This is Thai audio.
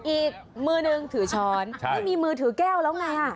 อีกมือนึงถือช้อนไม่มีมือถือแก้วแล้วไง